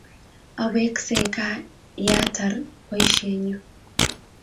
Aweksei kaa yeatar poisyennyu